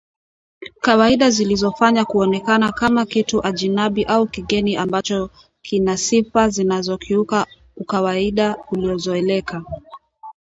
kawaida zilizofanywa kuonekana kama kitu ajinabi au kigeni ambacho kina sifa zinazokiuka ukawaida uliozoeleka